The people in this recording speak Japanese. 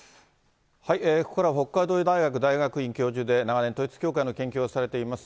ここからは北海道大学大学院教授で長年、統一教会の研究をされています